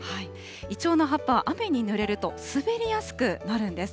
イチョウの葉っぱは雨に濡れると滑りやすくなるんです。